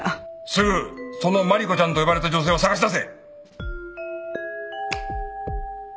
すぐそのまりこちゃんと呼ばれた女性を捜し出せ！